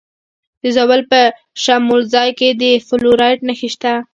د زابل په شمولزای کې د فلورایټ نښې شته.